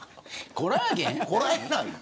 コラーゲン。